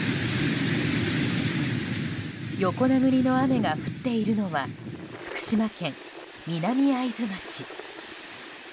横殴りの雨が降っているのは福島県南会津町。